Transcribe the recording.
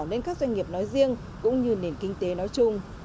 đến các doanh nghiệp nói riêng cũng như nền kinh tế nói chung